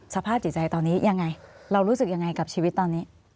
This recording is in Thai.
สภาพจิตใจตอนนี้ยังไงเรารู้สึกยังไงกับชีวิตตอนนี้